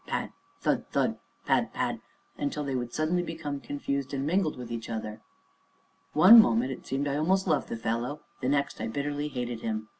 pad! thud! thud! pad! pad! until they would suddenly become confused, and mingle with each other. One moment it seemed that I almost loved the fellow, and the next that I bitterly hated him.